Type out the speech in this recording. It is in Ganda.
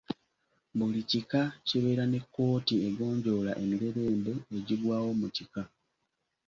Buli kika kibeere ne kkooti egonjoola emirerembe egigwawo mu kika.